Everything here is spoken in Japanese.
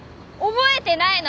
覚えてないの？